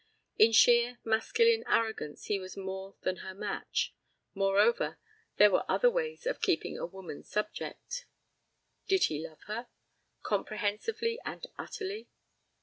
In sheer masculine arrogance he was more than her match. Moreover, there were other ways of keeping a woman subject. Did he love her? Comprehensively and utterly?